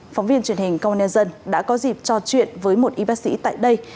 phóng viên truyền hình công an nhân dân đã có dịp trò chuyện với một y bác sĩ tại đây